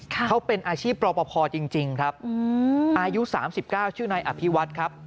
เขาเป็นอาชีพรอปภจริงครับอายุ๓๙ชื่อนายอภิวัฒน์ครับ